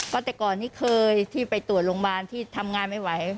ก็แต่ก่อนนี้เคยที่ไปตรวจโรงพยาบาลที่ทำงานไม่ไหว